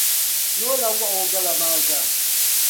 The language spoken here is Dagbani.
Noo la waɣi o gala maa zaa.